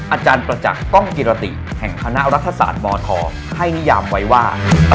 อาจารย์ประจักษ์กล้องกิรติแห่งคณะรัฐศาสตร์มธให้นิยามไว้ว่า